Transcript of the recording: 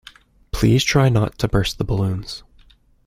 Please try not to burst the balloons